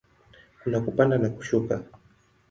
Kuna kupanda na kushuka.